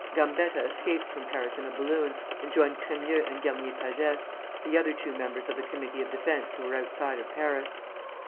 Gambetta escaped from Paris in a balloon, and joined Crémieux and Garnier Pagès, the other two members of the Committee of Defence who were outside of Paris.